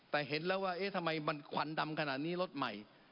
แต่เห็นแล้วว่าเอ๊ะทำไมมันควันดำขนาดนี้รถใหม่